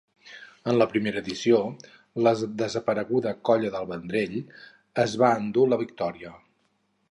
En la primera edició, la desapareguda Colla Nova del Vendrell es va endur la victòria.